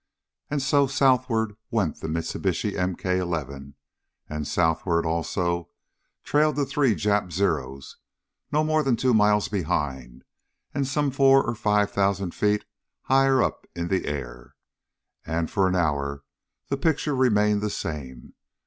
And so, southward went the Mitsubishi MK 11. And southward, also, trailed the three Jap Zeros no more than two miles behind, and some four or five thousand feet higher up in the air. And for an hour the picture remained the same.